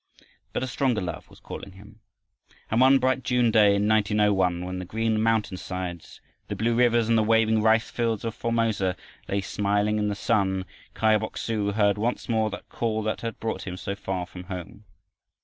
But a stronger love was calling him on. And one bright June day, in 1901, when the green mountainsides, the blue rivers, and the waving rice fields of Formosa lay smiling in the sun, Kai Bok su heard once more that call that had brought him so far from home.